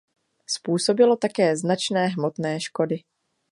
Způsobilo také značné hmotné škody.